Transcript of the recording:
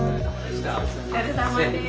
お疲れさまです。